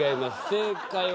正解は。